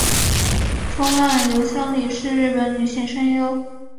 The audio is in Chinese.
峰岸由香里是日本女性声优。